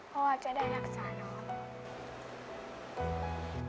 พ่อจะได้รักษาน้อง